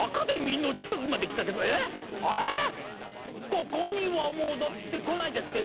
ここには戻ってこないですって